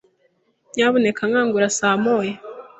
Nyamuneka nkangure saa moya.